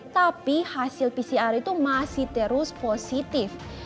tapi hasil pcr itu masih terus positif